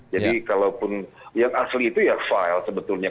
jadi kalaupun yang asli itu ya file sebetulnya